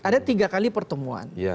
ada tiga kali pertemuan